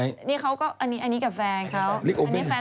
บ๊วยนี่เขาก็อันนี้กับแฟนเค้า